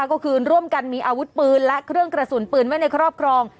ก็คือร่วมกันมีอาวุธปืนและเครื่องกระสุนปืนไว้ในครอบครอง